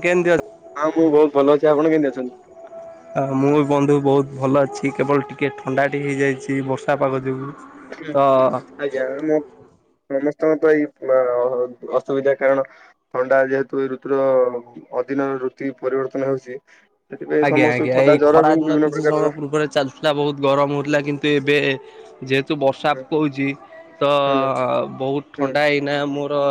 କେମିତି ଅଛ? ହଁ, ମୁଁ ବହୁତ ଭଲ ଅଛି। ଆପଣ କେମିତି ଅଛନ୍ତି? ମୁଁ ବି ବନ୍ଧୁ ବହୁତ ଭଲ ଅଛି କେବଳ ଟିକିଏ ଥଣ୍ଡାଟି ହେଇଯାଇଛି ବର୍ଷା ପାଗ ଯୋଗୁଁ। ହଁ ତ ଆଜ୍ଞା। ମୁଁ ସମସ୍ତଙ୍କ ତ ଏଇ ଅସୁବିଧା କାରଣ ଥଣ୍ଡା ଯେହେତୁ ଏଇ ଋତୁର ଅଦିନର ଋତୁ ପରିବର୍ତ୍ତନ ହେଉଚି। ଆଜ୍ଞା ଆଜ୍ଞା। ଏଇ ଖରା ଦିନ କିଛି ପ୍ରକାରର ସମୟ ପୂର୍ବରେ ଚାଲୁଥିଲା ବହୁତ ଗରମ ହଉଥିଲା। କିନ୍ତୁ, ଏବେ ଯେ ତୁ ବର୍ଷା ପକଉଛି କହୁଛି ତ ହୁଁ ବହୁତ ହୁଁ ଥଣ୍ଡା ଏଇନା ମୋର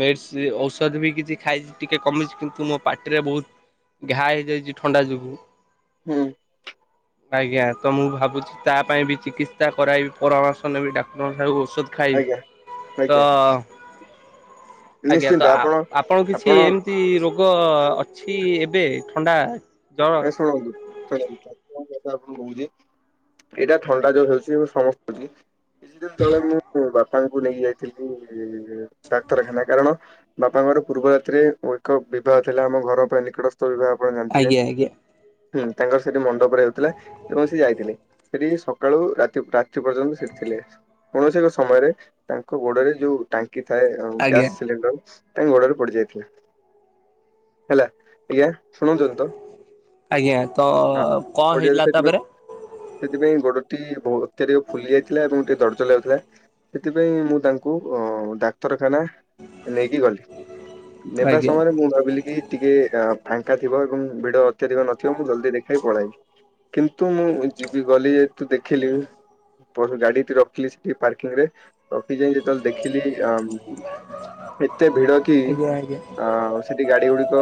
ମେଡିସିନ ଔଷ ତଦ ବି କିଛି ଖାଇଛି ଟିକେ କମିଛି କିନ୍ତୁ ମୋ ପାଟିରେ ବହୁତ ଘା ହେଇଯାଇଛି ଥଣ୍ଡା ଯୋଗୁଁ। ହୁଁ। ଆଜ୍ଞା, ତ ମୁଁ ଭାବୁଛି ତା ପାଇଁ ବି ଚିକିତ୍ସା କରାଇବି ପରାମର୍ଶ ନେବି ଡାକ୍ତରଙ୍କ ଠାରୁ ସୁୁତ ଆଜ୍ଞା ହୁଁ। ଆଜ୍ଞା ଖାଇବି ଆଜ୍ଞା ତ ଆଜ୍ଞା ତ ଆପଣ କିଛି ଏମିତି ରୋଗ ଅଛି ଏବେ? ଥଣ୍ଡା ଜର ଏ ଶୁଣନ୍ତୁ [inaudible] ଆପଣ କହୁଛି ଏଇଟା ଥଣ୍ଡା ଯୋଉ ହଉଛି ସମସ୍ତିକି କିଛି ଦିନ ତଳେ ମୁଁ ବା ବାପାଙ୍କୁ ନେଇକି ଯାଇଥିଲି ଡାକ୍ତରଖାନା କାରଣ ବାପାଙ୍କର ପୂର୍ବ ରାତିରେ ଏକ ବିବାହ ଥିଲା ଆମ ଘର ପାଇଁ ନିକଟସ୍ଥ ବିବାହ ଆପଣ ଜାଣିଥିବେ। ଆଜ୍ଞା ଆଜ୍ଞା ହୁଁ ତାଙ୍କର ସେଠି ମଣ୍ଡପ ରେ ହେଉଥିଲା ଏବଂ ସେ ଯାଇଥିଲେ ସେଠି ସକାଳୁ ରାତି ପର୍ଯ୍ୟନ୍ତ ସେଠି ଥିଲେ। କୌଣସି ଏକ ସମୟରେ ତାଙ୍କ ଗୋଡରେ ଯୋଉ ଟା ଙ୍କି ଥାଏ ଆଜ୍ଞା ଗ୍ୟାସ୍ ସିଲିଣ୍ଡର ତାଙ୍କ ଗୋଡରେ ପଡି ଯାଇଥିଲା ହେଲା। ଆଜ୍ଞା ଶୁଣନ୍ତୁ ଏବେ ତ। ଆଜ୍ଞା ତ ହଁ। କଣ ପଡିଆରେ ହେଇଥିଲା ସେଠି ତାପରେ? ସେଥିପାଇଁ ଗୋଡଟି ବହୁତ ଅତ୍ୟଧିକ ଫୁଲି ଯାଇଥିଲା। ଏବଂ ଟିକେ ଚଲାଉଥିଲା ।ସେଥିପାଇଁ ମୁଁ ତାଙ୍କୁ ଅ ଡାକ୍ତରଖାନା ନେଇକି ଗଲି। ନେବା ଆଜ୍ଞା ସମୟରେ ମୁଁ ଭାବିଲି କି ଟିକେ ଫାଙ୍କା ଥିବ ଏବଂ ଭିଡ ଅତ୍ୟଧିକ ନଥିବ ମୁଁ ଜଲ୍ଦି ଦେଖି ପଳେଇ କିନ୍ତୁ ମୁଁ ଯିବି ବୋଲି ତୁ ଦେଖିଲି ଗାଡିଟି ରଖିଲି ସେଠି ପାର୍କିଂ ରେ ଏ ଯାଇ ଯେତେବେଳେ ଦେଖିଲି ଆ ଏତେ ଭିଡ କି ଆଜ୍ଞା ଆଜ୍ଞା ଆ ସେଠି ଗାଡି ଗୁଡିକ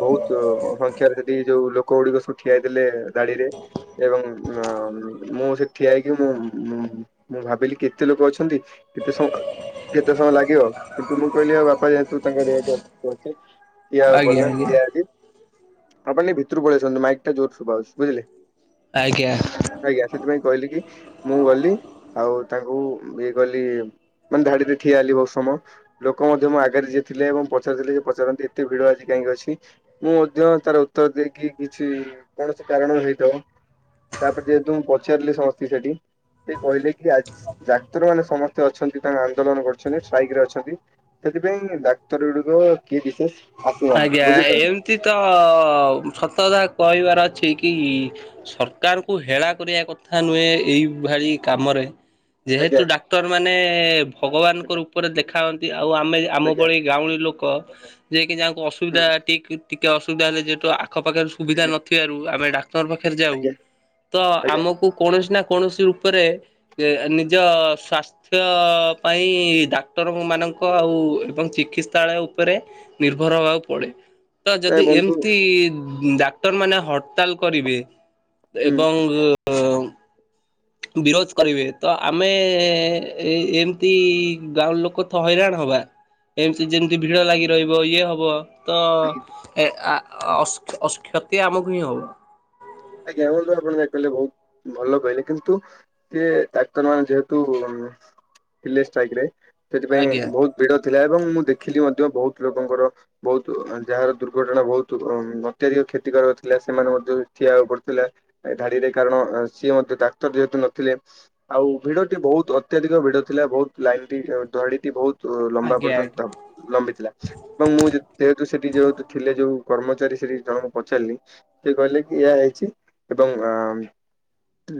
ବହୁତ ସଂଖ୍ୟାରେ ସେଠି ଯୋଉ ଲୋକ କଉଡିିକ ସବୁ ଠିଆ ହେଇଥିଲେ ଧାଡିରେ। ଏବଂ ମୁଁ ସେ ଠିଆଇକି ମୁଁ-ମୁଁ ମୁଁ ଭାବିଲି କେତେ ଲୋକ ଅଛନ୍ତି। କେତେ ସ କେତେ ସମୟ ଲାଗିବ। କିନ୍ତୁ ମୁଁ କହିଲି ଆଉ ବାପା ଯେହେତୁ ତାଙ୍କ ରେଟେ ଅଧିକ ଅଛି। ଠିଆ ଆଜ୍ଞା ହବାକୁ ପଡିଲା। ଆଜ୍ଞା ଠିଆ ହେଲି ଆପଣ ଟିକେ ଭିତରୁ ପଳେଇ ଆସନ୍ତୁ। ମାଇକ୍ ଟା ଜୋର ଶୁଭା ଯାଉଛି ବୁଝିଲେ। ଆଜ୍ଞା ଆଜ୍ଞା ସେଥିପାଇଁ କହିଲି କି ମୁଁ ଗଲି ଆଉ ତାଙ୍କୁ ଇଏ ଗଲି ମାନେ ଧାଡିରେ ଠିଆ ହେଲି ବହୁତ ସମୟ। ଲୋକ ମଧ୍ୟ ମୋ ଆଗରେ ଯିଏ ଥିଲେ ଏବଂ ପଛରେ ଥିଲେ ପଚାରନ୍ତି ଏତେ ଭିଡ ଆଜି କାହିଁକି? [unintelligible] ମୁଁ ମଧ୍ୟ ତାର ଉତ୍ତର ଦେଇକି କିଛି କୌଣସି କାରଣ ହେଇଥବ। ତାପରେ ଯେହେତୁ ମୁଁ ପଚାରିଲି ସମସ୍ତିଙ୍କି ସେଠି। ସେ କହିଲେ କି ଆଜି ଡାକ୍ତର ମାନେ ସମସ୍ତେ ଅଛନ୍ତି। ତାଙ୍କ ଆନ୍ଦୋଳନ କରୁଛନ୍ତି ଷ୍ଟ୍ରାଇକ୍ ରେ ଅଛନ୍ତି। ସେଥିପାଇଁ ଡାକ୍ତର ଗୁଡିକ କିଏ ବିଶେଷ ଆସିନାହାନ୍ତି ଆଜ୍ଞା ବୁଝିଲେ ଆଜ୍ଞା। ଏମିତି ତ ସତ କଥା କହିବାର ଅଛି। କି ସରକାରଙ୍କୁ ହେଳା କରିବା କଥା ନୁହେଁ। ଏଇଭଳି କାମରେ। ଯେହେତୁ ଆଜ୍ଞା ଡାକ୍ତରମାନେ ଭଗବାନଙ୍କ ରୂପରେ ଦେଖାଅ ଆଉ ଆମେ ଆମ ଆଜ୍ଞା ଭଳି ଗାଉଁଳି ଲୋକ ଯିଏ କି ଯାହାଙ୍କୁ ହୁଁ ଅସୁବିଧା ଟି ଟିକେ ଟିକେ ଅସୁବିଧା ହେଲେ ଯେହେତୁ ଆଖପାଖରେ ସୁବିଧା ଆଜ୍ଞା ନଥିବାରୁ ଆମେ ଡା ପାଖରେ ଯାଉ ତ ଆଜ୍ଞା ଆଜ୍ଞା ଆମକୁ କୌଣସି ନା କୌଣସି ରୂପରେ ନିଜ ସ୍ୱାସ୍ଥ୍ୟ ପାଇଁ ଡାକ୍ତରଙ୍କ ମାନଙ୍କ ଆଉ ଏବଂ ଚିକିତ୍ସାଳୟ ଉପରେ ନିର୍ଭ ନିର୍ଭର ହେବାକୁ ପଡେ। ତ ନାଇଁ ଯଦି ବନ୍ଧୁ ଏମିତି ଡାକ୍ତରମାନେ ହ ହର୍ତାଲ କରିବେ ଏବଂ ହୁଁ। [inaudible] ବିରୋଧ କରିବେ ତ ଆମେ ଏ ଏମିତି ଗାଁ ଲୋକ ତ ହଇରାଣ ହବା। ଏମତି ଯେମିତି ଭିଡ ଲାଗି ରହିବ ଇଏ ହବ। ତ [unintelligible] କ୍ଷତି ଆମକୁ ହିଁ ହବ। ଆଜ୍ଞା ହୁନ୍ତୁ ଆପଣ ଯାହା କହିଲେ ବହୁତ ଭଲ କହିଲେ। କିନ୍ତୁ ଏ ଡାକ୍ତର ମାନେ ଯେହେତୁ ଥିଲି ଷ୍ଟ୍ରାଇକ୍ ରେ ସେଥିପାଇଁ ଆଜ୍ଞା। ବହୁତ ଭିଡ ଥିଲା ଏବଂ ମୁଁ ଦେଖିଲି ମଧ୍ୟ ବହୁତ ଲୋକଙ୍କର ବହୁତ ଯାହାର ଦୁର୍ଘଟଣା ବହୁତ ଅତ୍ୟଧିକ। କ୍ଷତି କରାଉ ଥିଲା। ସେମାନେ ମଧ୍ୟ ଠିଆ ହବାକୁ ପଡଥିଲା ଧାଡିରେ। କାରଣ ସିଏ ମଧ୍ୟ ଡାକ୍ତର ଯେହେତୁ ନଥିଲେ। ଆଉ ଭିଡ ଟି ବହୁ ବହୁତ ଅତ୍ୟଧିକ ଭିଡ ଥିଲା। ବହୁତ ଲାଇନ୍ ଟି ଧାଡିଟି ବହୁତ ତ ଲମ୍ବା ଆଜ୍ଞା ପର୍ଯ୍ୟନ୍ତ ଲମ୍ବି ଥିଲା। ଏବଂ ମୁଁ ଯେହେତୁ ସେଠି ଯେ ଥିଲେ ଯୋଉ କର୍ମଚାରୀ ସେଠି ଜଣଙ୍କୁ ପଚାରିଲି ସେ କହିଲେ କି ଏହା ହେଇଛି। ଏବଂ ଅ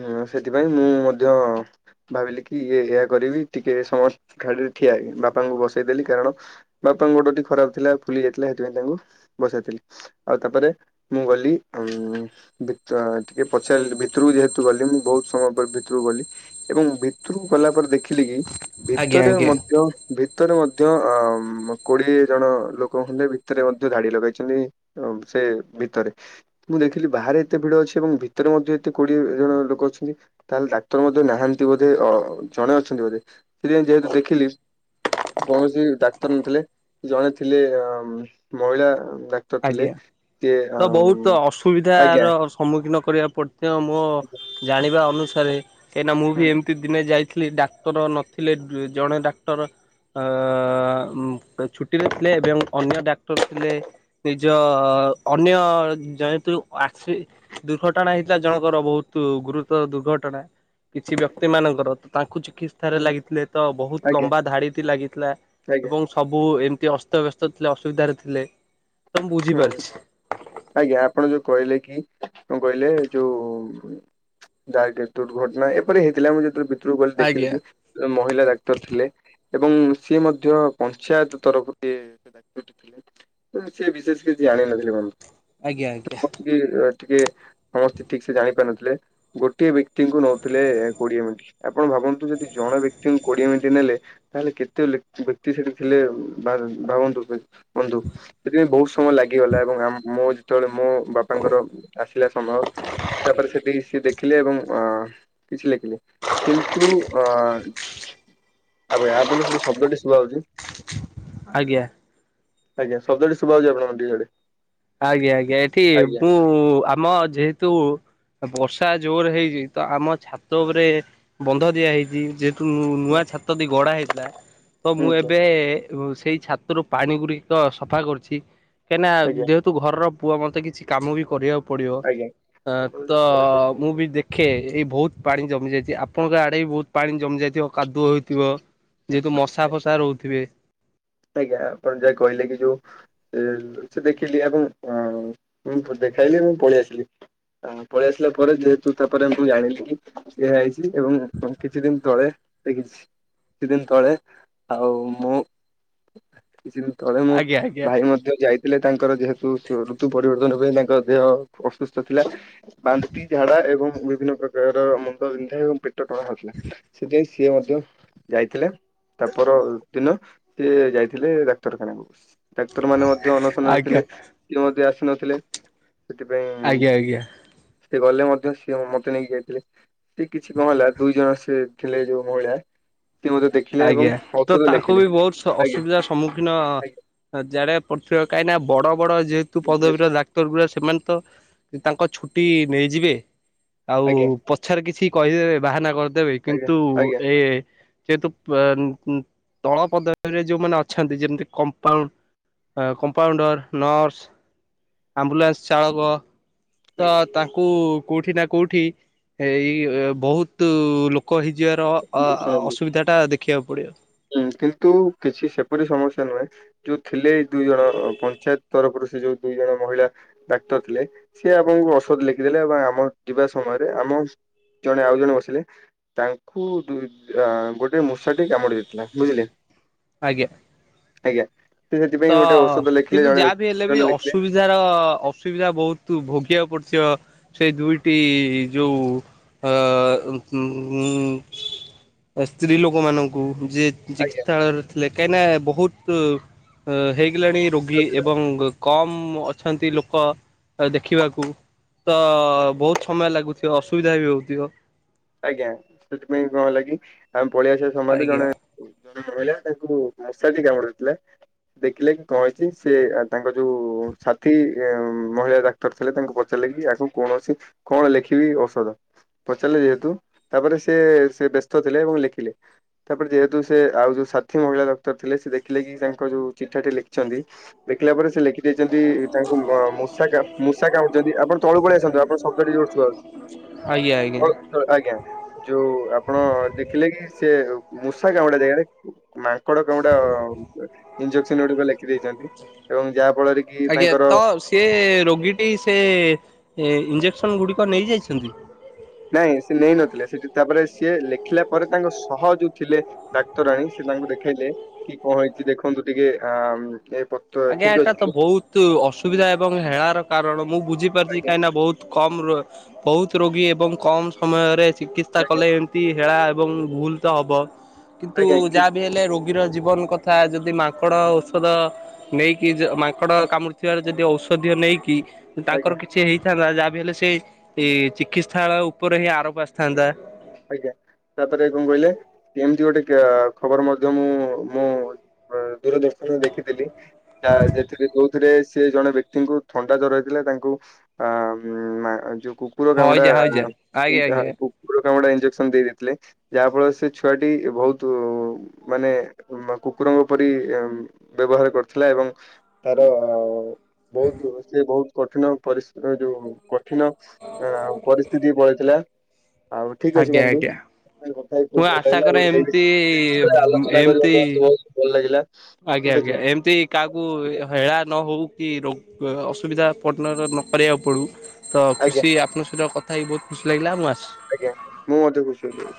ହଁ ସେଥିପାଇଁ ମୁଁ ମଧ୍ୟ ଭାବିଲି କି ଇଏ ଏହା କରିବି। ଟିକେ ସମସ୍ତ ଧାଡି ଠିଆ ବାପାଙ୍କୁ ବସେଇ ଦେଲି କାରଣ ବାପା ବାପାଙ୍କ ଗୋଡଟି ଖରାପ ଥିଲା ଫୁଲି ଯାଇଥିଲା। ହେଥିପାଇଁ ତାଙ୍କୁ ବସାଇଥିଲି ଆଉ ତାପରେ ମୁଁ ଗଲି ଉ ଟିକେ ପଚାରି ଭିତରକୁ ଯେହେତୁ ଗଲି ମୁଁ ବହୁତ ସମୟ ପରେ ଭିତରକୁ ଗଲି। ଏବଂ ଭିତ ଭିତରକୁ ଗଲା ପରେ ଦେଖିଲି କି ଆଜ୍ଞା ଭିତରେ ଆଜ୍ଞା ମଧ୍ୟ ଭିତରେ ମଧ୍ୟ ମଧ୍ୟ କୋଡିଏ ଜଣ ଲୋକ ଖଣ୍ଡେ ଭିତରେ ମଧ୍ୟ ଧାଡି ଲଗାଇଛନ୍ତି ସେ ଭିତରେ ମୁଁ ଦେଖ ଲି ବାହାରେ ଏତେ ଭିଡ ଅଛି। ଏବଂ ଭିତରେ ମଧ୍ୟ ଏତେ କୋଡିଏ ଜଣ ଲୋକ ଅଛନ୍ତି। ତାହେଲେ ଡାକ୍ତର ମଧ୍ୟ ନାହାନ୍ତି ବୋଧେ। ଅ ଜଣେ ଅଛନ୍ତି ବୋଧେ। ସେଥିପାଇଁ ଯେହେତୁ ଦେଖିଲି। କୌଣସି ଡାକ୍ତର ନଥିଲେ। ଜଣେ ଥିଲେ ଅ ମହିଳା। ଡାକ୍ତର ଆଜ୍ଞା। ଥିଲେ। କିଏ ଆ ସୁବିଧାର ସମ୍ମୁଖୀନ କରିବା ପର୍ଯ୍ୟ ମୋ ଜାଣିବା ଅନୁସାରେ କାହିଁକିନା ମୁଁ ବି ହୁଁ ଏମିତି ଦିନେ ଯାଇଥିଲି ଡାକ୍ତର ନଥିଲେ। ଜଣେ ଡାକ୍ତର ଅ ଛୁଟିରେ ଥିଲେ ଏବଂ ଅନ୍ୟ ଡାକ୍ତର ଥିଲେ। ନିଜ ଅନ୍ୟ ଯେହେତୁ ଆକ୍ସି ଦୁର୍ଘଟଣା ହେଇଥିଲା ଜଣଙ୍କର ବହୁତ। ଗୁରୁତର ଦୁର୍ଘଟଣା। କିଛି ବ୍ୟକ୍ତି ମାନଙ୍କର ତାଙ୍କୁ ଚିକି ଚିକିତ୍ସାରେ ହୁଁ ଲାଗିଥିଲେ। ତ ବହୁତ ଆଜ୍ଞା ଲମ୍ବା ଧାଡିଟି ଲାଗିଥିଲା। ଆଜ୍ଞା ଏବଂ ସବୁ ଏମ ଯେ ଅସ୍ତବ୍ୟସ୍ତ ଥିଲେ ଅସୁବିଧାରେ ଥିଲେ। ତ ମୁଁ ହୁଁ, ବୁଝିପାରୁଛି। ଆଜ୍ଞା ଆପଣ ଯୋଉ କହିଲେ କି କହିଲେ ଯୋଉ ଯାହାକି ଦୁର୍ଘଟଣା ଏପରି ହେଇଥିଲା ମୁଁ ଯେ ଗଲି ଦେଖିଲି ଆଜ୍ଞା କି ଜଣେ ମହିଳା ଡାକ୍ତର ଥିଲେ। ଏବଂ ସିଏ ମଧ୍ୟ ପଞ୍ଚାୟତ ତରଫରୁ ଇଏ ଡାକ୍ତର ଥିଲେ। ହେଲେ ସେ ବିଶେଷ କିଛି ଜାଣିନଥିଲେ, ଭାବ ଆଜ୍ଞା ଆଜ୍ଞା। ଟିକେ ସମସ୍ତେ ଠିକ୍ ସେ ଜାଣିପାରିନଥିଲେ। ଗୋଟିଏ ବି ବ୍ୟକ୍ତିଙ୍କୁ ନଉଥିଲେ କୋଡିଏ ମିନିଟ୍। ଆପଣ ଭାବନ୍ତୁ ଯଦି ଜଣେ ବ୍ୟକ୍ତିଙ୍କୁ କୋଡିଏ ମିନିଟ୍ ନେଲେ ତାହେଲେ କେତେ ବ୍ୟକ୍ତି ସେଠି ଥିଲେ ଭା ଭାବନ୍ତୁ ବନ୍ଧୁ। ସେଥିପାଇଁ ବହୁତ ସମୟ ଲାଗିଗଲା ଏବଂ ଆମେ ମୁଁ ଯେତେବେଳେ ମୋ ବାପାଙ୍କର ଆସିଲା ସମୟ ତାପରେ ସେଠି ସେ ଦେଖିଲେ ଏବଂ ଉଁ କିଛି ଲେଖିଲେ। କିନ୍ତୁ ଅ ତାପରେ ଆପଣ ସେ ଶବ୍ଦ ଟି ଶୁଭାଯାଉଛି। ଆଜ୍ଞା। ଆଜ୍ଞା, ଶବ୍ଦ ଟି। [unintelligible] ଆଜ୍ଞା ଆଜ୍ଞା ଏଠି ମୁଁ ଆମ ଯେହେତୁ ବର୍ଷା ଜୋର ହେଇଛି ତ ଆମ ଛାତ ଉପରେ ବନ୍ଧ ଦିଆ ହେଇଛି ଯେ ତୁ ନୂଆ ଛାତ ଦେଇ ଗଢା ହେଇଥିଲା। ତ ମୁଁ ଆଜ୍ଞା। ଏବେ ସେଇ ଛାତରୁ ପାଣି ଗୁରିକ ସଫା କରୁଚି। କାହିଁକିନା ଯେ ଘରର ପୁଅ ମୋତେ କିଛି କାମ ବି କରିବାକୁ ପଡିବ। ଆଜ୍ଞା ଆପଣ ତ ଯୋଉ କହିଲେ କି ମୁଁ ବି ଦେଖେ ଏଇ ବହୁତ ପାଣି ଜମି ଯାଇଛି ଆପଣଙ୍କ ଆଡେ ବି ବହୁତ ପାଣି ଜମି ଯାଇଥିବ କାଦୁଅ ହୋଇଥିବ। ଯେହେତୁ ମଶା ଫସା ରହୁଥିବେ ଆଜ୍ଞା ଆପଣ ଯାହା କହିଲେ କି ଯୋଉ ସେ ଦେଖିଲି ଏବଂ ଉମ ଦେଖାଇଲି ଏବଂ ପଳେଇ ଆସିଲି। ଆ ପଳେଇ ଆସିଲା ପରେ ଯେହେତୁ ତାପରେ ମୁଁ ଜାଣିଲି କି ସେ ହେଇ ଏବଂ କିଛି ଦିନ ତଳେ ଦେଖିଛି କିଛି ଦିନ ତଳେ ଆଉ ମୁଁ କିଛି ଦିନ ତଳେ ମୁଁ ଆଜ୍ଞା ଆଜ୍ଞା ଭାଇ ମଧ୍ୟ ଯାଇ ଥିଲେ ତାଙ୍କର ଯେହେତୁ ଋତୁ ପରିବର୍ତ୍ତନ ପାଇଁ ତାଙ୍କ ଦେହ ଅସୁସ୍ଥ ଥିଲା। ବାନ୍ତି, ଝାଡା ଏବଂ ବିଭିନ୍ନ ପ୍ରକାର ମୁଣ୍ଡ ବିିନ୍ଧା ଏବଂ ପେଟଟଣା ହେଉଥିଲା। ସେଥିପାଇଁ ସିଏ ମଧ୍ୟ ଯାଇଥିଲେ ତାପର ଦିନ। ସିଏ ଯାଇଥିଲେ ଡାକ୍ତରଖାନାକୁ। ଡାକ୍ତର ମାନେ ମଧ୍ୟ ଅନଶନରେ ଆଜ୍ଞା ଥିଲେ। ସିଏ ମଧ୍ୟ ଆସି ନଥିଲେ। ସେଥିପାଇଁ ଆଜ୍ଞା ଆଜ୍ଞା। ସେ ଗଲେ ମ ମଧ୍ୟ ସିଏ ମତେ ନେଇକି ଯାଇଥିଲେ। ସେ କିଛି ନ ହେଲା ଦୁଇ ଜଣ ସେ ଥିଲେ ଯୋଉ ମହିଳା ସିଏ ମୋତେ ଦେଖିଲେ ଆଜ୍ଞା ଏବଂ ତ ଔଷଧ ତାଙ୍କୁ ବି ଲେଖିଲେ। ବହୁତ ଆଜ୍ଞା ଅସୁବିଧାର ସମ୍ମୁଖୀନ ଆଜ୍ଞା ଜାଡେ ପଡୁଥିବ କାହିଁକିନା ବଡ ବଡ଼ ଯେହେତୁ ପଦବୀର ଡାକ୍ତର ଗୁଡା ସେମାନେ ତ ତାଙ୍କ ଛୁଟି ନେଇଯିବେ। ଆଉ ଆଜ୍ଞା ପଛରେ କିଛି କହିଦେବେ ବାହାନା କରିଦେବେ। ଆଜ୍ଞା କିନ୍ତୁ ଆଜ୍ଞା ଏ ଯେହେତୁ ତଳ ପଦବୀରେ ଯୋଉମାନେ ଅଛନ୍ତି ଯେମିତି କମ୍ପାଉଣ୍ଡ କମ୍ପାଉଣ୍ଡର, ନର୍ସ, ଆମ୍ବୁଲାନ୍ସ ଚାଳକ ତ ଆଜ୍ଞା ତାଙ୍କୁ କୋଉଠି ନା କୋଉଠି ଏଇ ବହୁତ ଲୋ କହିଯିବାର ଅ ଶୁଣନ୍ତୁ ଅସୁବିଧାଟା ଦେଖିବାକୁ ପଡ଼ିବ। ହୁଁ, କିନ୍ତୁ କିଛି ସେପରି ସମସ୍ୟା ନୁହେଁମ ଯୋଉ ଥିଲେ ଦୁଇ ଜଣ ପଞ୍ଚାୟତ ତରଫରୁ ସେ ଯୋଉ ଦୁଇ ଜଣ ମହିଳା ଡାକ୍ତର ଥିଲେ ସିଏ ଆପଣଙ୍କୁ ଔଷଧ ଲେଖିଦେଲେ ଏବଂ ଆମ ଯିବା ସମୟରେ ଆମ ଜଣେ ଆଉ ଜଣେ ବସିଲେ ତାଙ୍କୁ ଗୋଟେ ମୂଷାଟି କାମୁଡି ଦେଇ ବୁଝିଲେ। ଆଜ୍ଞା। ଆଜ୍ଞା। ସେ ତ ସେଥିପାଇଁ ଗୋଟେ ଔଷଧ ଲେଖିଲେ କିନ୍ତୁ ଜଣେ ଯାହାବି ବ୍ୟକ୍ତି ହେଲେ ବି ଜଣେ ଲେଖିଲେ ଅସୁବିଧାର ଅସୁବିଧା ବହୁତ ଭୋଗିବାକୁ ପଡୁ ଥିବ ସେଇ ଦୁଇଟି ଯୋଉ। ଅ ଉଁ ସ୍ତ୍ରୀଲୋକ ମାନଙ୍କୁ। ଯିଏ ଚିକିତ୍ ଆଜ୍ଞା ସାଳୟରେ ଥିଲେ କାହିଁନା ବୋହୁତ ହେ ଲାଣି ରୋଗୀ ଏବଂ କମ୍ ଅଛନ୍ତି ଲୋକ ଦେଖିବାକୁ। ତ ବୋହୁତ ସମୟ ଲାଗୁଥିବ ଅସୁବିଧା ବି ହଉଥିବ। ଆଜ୍ଞା ସେଥିପାଇଁ କଣ ହେଲାକି ଆମେ ପଳେଇଆସିବା ସମୟରେ ଆଜ୍ଞା ଜଣେ ମହିଳା ତାଙ୍କୁ ମଶାଟି କାମଡି ଦେଇଥିଲା। ଦେଖିଲେ କି କଣ ହେଇଛି ସେ ତାଙ୍କ ଯୋଉ ସାଥି ଉଁ ମହିଳା ଡାକ୍ତର ଥିଲେ ତାଙ୍କୁ ପଚାର ଦେଖିବି ଆକୁ କଣ ଅଛି କଣ ଲେଖିବି ଔଷଧ ପଚାରିଲେ ଯେ ହେତୁ ତାପରେ ସିଏ ସେ ବ୍ୟସ୍ତ ଥିଲେ ଏବଂ ଲେଖିଲେ ତାପରେ ଯେହେତୁ ସେ ଆଉ ଯୋଉ ସାଥିୀ ମହିଳା ଥିଲେ ସେ ଦେଖିଲେ କି ତାଙ୍କ ଯୋଉ ଚିଠାଟି ଲେଖିଚନ୍ତି ଦେଖିଲା ପରେ ସେ ଲେ ଦେଇଚନ୍ତି ତାଙ୍କୁ ମୂଷା ମୂଷା କାମୁଡିଚନ୍ତି ଆପଣ ତଳୁକୁ ପଳେଇ ଆସନ୍ତୁ ଆପଣଙ୍କ ଶବ୍ଦ ଟିକେ ଜୋର ଶୁଭା ହଉଚି। ଆଜ୍ଞା ଆଜ୍ଞା। ଆଜ୍ଞା ଯୋଉ ଆପଣ ଦେଖିଲେ କି ସେ ମୂଷା କାମୁଡ଼ା ଜାଗାରେ। ମାଙ୍କଡ କାମୁଡ଼ା ଇଞ୍ଜକ୍ସନ ଗୋଟେ କଣ ଲେଖିଦେଇଚନ୍ତି ଏବଂ ଯାହା ଫଳରେ କି ଆଜ୍ଞା ତାଙ୍କର। ତ ସେ ରୋଗୀଟି ସେ ଇଞ୍ଜେକ୍ସନ୍ ଗୁଡ଼ିକ ନେଇଯାଇଚନ୍ତି। ନାଇଁ ସେ ନେଇ ନଥିଲେ ସେଠି ତାପରେ ସିଏ ଲେଖିଲା ପରେ ତାଙ୍କ ସହ ଯୋଉ ଥିଲେ ଡାକ୍ତରାଣୀ ସେ ତାଙ୍କ ଦେଖେଇଲେ କି କଣ ହେଇଛି ଦେଖନ୍ତୁ ଟିକେ ଆଁ ଆଜ୍ଞା ଏଟା ତ ବୋହୁତ ଅସୁବିଧା ଏବଂ ହେଳାର କାରଣ ମୁଁ ବୁଝିପାରୁଚି ଆଜ୍ଞା କାହିଁକିନା ବୋହୁତ କମ୍ ରୋ ବୋହୁତ ରୋଗୀ ଏବଂ କମ୍ ସମୟରେ। ଚିକିତ୍ସା ଆଜ୍ଞା କଲେ ଏମିତି ହେଳା ଏବଂ ଭୁଲ୍ ତ ହବ କିନ୍ତୁ ଆଜ୍ଞା କି ଯାହା ବି ହେଲେ ରୋ ରୋଗୀ ର ଜୀବନ କଥା ଯଦି ମାଙ୍କଡ଼ ଓଷଦ ନେଇକି ଯ ମାଙ୍କଡ଼ କାମୁଡ଼ିଥିବାର ଯଦି ଔଷଧୀୟ ନେଇକି ଆଜ୍ଞା ତାଙ୍କର କିଛି ହେଇ ଥାନ୍ତା ଯାହା ବିି ହେଲେ ସେଇ ଚିକିତ୍ସାଳୟ ଉପରେ ହିଁ ଆରୋପ ଆସିଥାନ୍ତା। ଆଜ୍ଞା। ତାପରେ କଣ କହିଲେ ଏମିତି ଗୋଟେ ଖବର ମଧ୍ୟ ମୁଁ ମୋ ଦୂର ଦେଶ ରେ ମୁଁ ଦେଖିଥେଲି ତା ଯେଥିରେ ଯୋଉଥିରେ ସେ ଜଣେ ବ୍ୟକ୍ତିଙ୍କୁ ଥଣ୍ଡା ଜର ହେଇଥିଲା ତାଙ୍କୁ ଆ ମା ଯୋଉ। କୁକୁର କାମୁଡ଼ା ହଇଜା ହଇଜା ଆଜ୍ଞା ଆଜ୍ଞା। [unintelligible] କୁକୁର କାମୁଡା ଇଞ୍ଜେକ୍ସନ ଦେଇ ଦେଇଥିଲେ ଯାହା ଫଳରେ ସେ ଛୁଆଟି ବହୁତ ମାନେ କୁକୁର [inaudible] ପରି ବ୍ୟବହାର କରୁଥିଲା ଏବଂ ତାର ବୋହୁତ ସେ ବୋହୁତ କଠିନ ପରିସ୍ ଯୋଉ କଠିନ ଆ ପରିସ୍ତିତିକି ପଳେଇଥିଲା। ଆଉ ଠିକ୍ ଅଛି ଆଜ୍ଞା ବନ୍ଧୁ। ଆଜ୍ଞା [unintelligible] କଥା ହେଇକି ମୁଁ ଭଲ ଆଶା ଲାଗିଲା କରେ ଆଉ ଏ ଏମିତି ବିଷ ଏ ବିଷୟରେ ଆଲୋଚନା କରି ମଧ୍ୟ ମତେ ଏମିତି ବୋହୁତ ଭଲ ଲାଗିଲା। ଆଜ୍ଞା ଠିକ ଅଛି ଆଜ୍ଞା ବନ୍ଧୁ ଏମତି କାହାକୁ ହେଳା ନ ହଉ। କି ରୋଗ ଅସୁବିଧା [unintelligible] ନ କରିବାକୁ ପଡୁ ତ ଆଜ୍ଞା। ଖୁସି ଆପଣଙ୍କ ସହିତ କ ଥା ହେଇକି ବୋହୁତ ଖୁସି ଲାଗିଲା ମୁଁ ଆସ ଆଜ୍ଞା ମୁଁ ମଧ୍ୟ ଖୁସି ହେଲି।